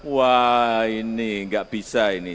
wah ini nggak bisa ini